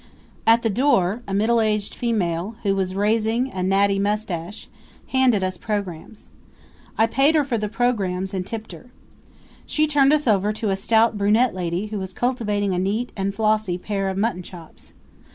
At the door a middle aged female, who was raising a natty mustache, handed us programs. I paid her for the programs and tipped her. She turned us over to a stout brunette lady who was cultivating a neat and flossy pair of muttonchops.